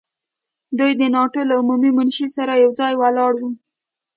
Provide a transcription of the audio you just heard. دوی د ناټو له عمومي منشي سره یو ځای ولاړ وو.